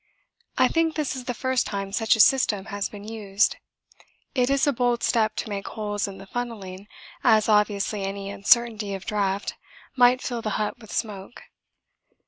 I think this is the first time such a system has been used. It is a bold step to make holes in the funnelling as obviously any uncertainty of draught might fill the hut with smoke.